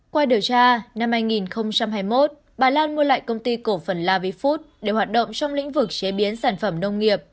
qua điều tra năm hai nghìn hai mươi một bà lan mua lại công ty cổ phần lavifood để hoạt động trong lĩnh vực chế biến sản phẩm nông nghiệp